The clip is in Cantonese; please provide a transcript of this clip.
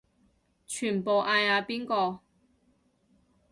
全部嗌阿邊個